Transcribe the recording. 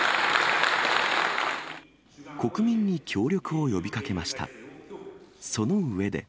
国民に協力を呼びかけました。